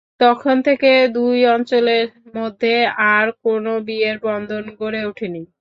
তখন থেকে দুই অঞ্চলের মধ্যে আর কোন বিয়ের-বন্ধন গড়ে উঠেনি।